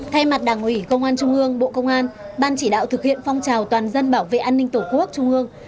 thay mặt đảng ủy công an trung ương bộ công an ban chỉ đạo thực hiện phong trào toàn dân bảo vệ an ninh tổ quốc trung ương